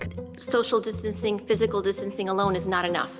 pembebasan sosial dan fasilitas itu tidak cukup